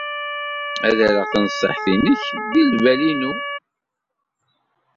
Ad rreɣ tanṣiḥt-nnek deg lbal-inu.